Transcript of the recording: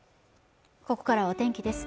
ここからはお天気です